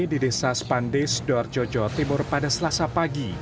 di desa spandes dorjotjo timur pada selasa pagi